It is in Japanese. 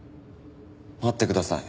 待ってください。